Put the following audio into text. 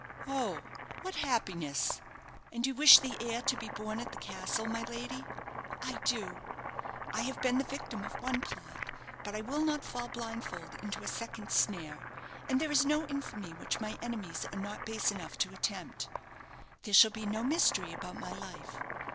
"Oh, what happiness! And you wish the heir to be born at the castle, my lady?" "I do! I have been the victim of one plot, but I will not fall blindfold into a second snare; and there is no infamy which my enemies are not base enough to attempt. There shall be no mystery about my life.